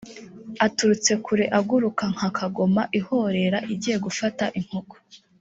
aturutse kure aguruka nka kagoma ihorera igiye gufata inkoko